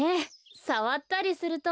さわったりすると。